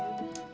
nanti aku ambil